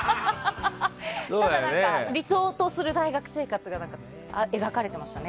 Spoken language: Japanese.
理想とする大学生活が描かれてましたね。